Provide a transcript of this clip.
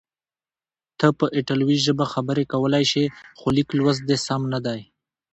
ته په ایټالوي ژبه خبرې کولای شې، خو لیک لوست دې سم نه دی.